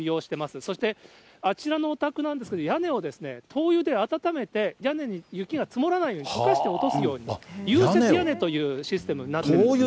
そしてあちらのお宅なんですけれども、屋根を灯油で温めて屋根に雪が積もらないように、とかして落とすように、融雪屋根というシステムになっています。